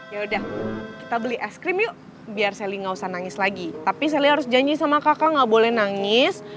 ya udah kita beli es krim yuk biar sally gak usah nangis lagi tapi selly harus janji sama kakak gak boleh nangis